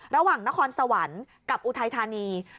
ระหว่างนครสวรรค์กับอุทัยธานี